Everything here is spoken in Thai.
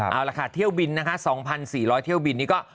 เอาล่ะค่ะเที่ยวบินนะคะ๒๔๐๐เที่ยวบินนี่ก็